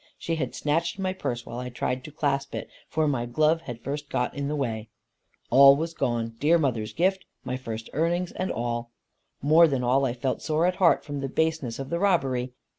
She had snatched my purse while I tried to clasp it, for my glove had first got in the way. All was gone, dear mother's gift, my first earnings, and all. More than all I felt sore at heart from the baseness of the robbery.